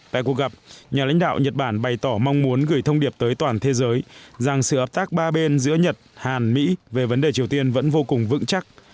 tại cuộc gặp nhà lãnh đạo nhật bản bày tỏ mong muốn gửi thông điệp tới toàn thế giới rằng sự hợp tác ba bên giữa nhật hàn mỹ về vấn đề triều tiên vẫn vô cùng vững chắc